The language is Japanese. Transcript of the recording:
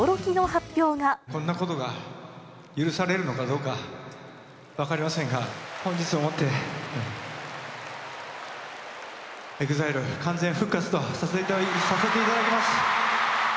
こんなことが許されるのかどうか、分かりませんが、本日をもって、ＥＸＩＬＥ完全復活とさせていただきます。